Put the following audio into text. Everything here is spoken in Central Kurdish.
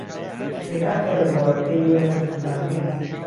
ئهرێ کاکی رێبوار، ئهی وهی رێم توولانییه